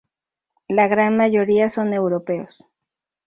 La gran mayoría son europeos.